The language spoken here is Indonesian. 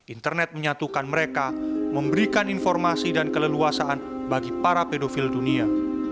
internet menyatukan mereka memberikan informasi dan keleluasaan bagi para pedofil dunia